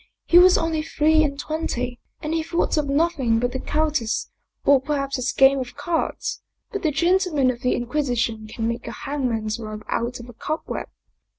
He was only three and twenty, and he thought of nothing but the countess or perhaps his game of cards. But the gentlemen of the Inquisition can make a hang man's rope out of a cobweb."